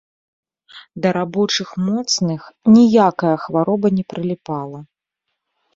Да рабочых моцных ніякая хвароба не прыліпала.